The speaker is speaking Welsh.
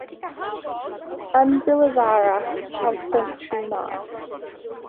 Yn ddiweddarach cawsant dri mab.